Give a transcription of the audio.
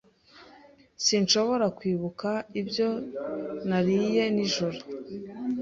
Sinshobora kwibuka ibyo nariye nijoro.